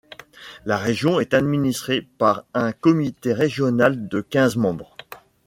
La région est administrée par un comité régional de quinze membres.